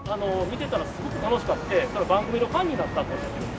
見てたらすごく楽しくて番組のファンになったんですっていう。